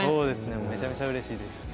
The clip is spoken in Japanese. めちゃめちゃ嬉しいです。